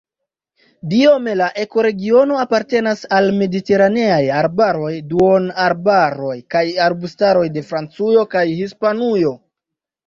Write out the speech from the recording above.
Biome la ekoregiono apartenas al mediteraneaj arbaroj, duonarbaroj kaj arbustaroj de Francujo kaj Hispanujo.